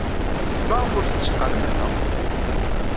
Maɣef ur tetteqqalem ara?